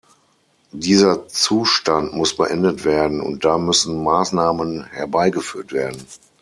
Dieser Zustand muss beendet werden, und da müssen Maßnahmen herbeigeführt werden.